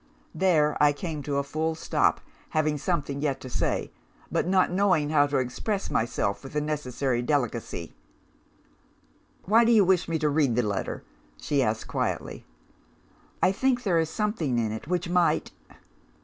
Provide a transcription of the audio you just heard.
"There, I came to a full stop; having something yet to say, but not knowing how to express myself with the necessary delicacy. "'Why do you wish me to read the letter?' she asked, quietly. "I think there is something in it which might